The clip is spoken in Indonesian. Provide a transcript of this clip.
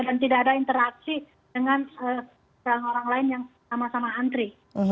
dan tidak ada interaksi dengan orang lain yang sama sama antri